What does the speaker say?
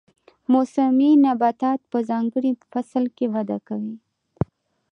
موسمي نباتات په ځانګړي فصل کې وده کوي